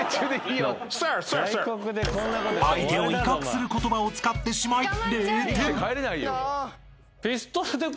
［相手を威嚇する言葉を使ってしまい］